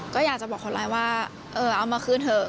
ก็อยากจะบอกคนร้ายว่าเออเอามาคืนเถอะ